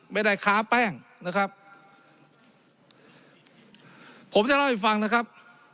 ไม่ได้ค้าแป้งนะครับผมจะเล่าให้ฟังนะครับ